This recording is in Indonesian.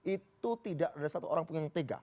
itu tidak ada satu orang pun yang tega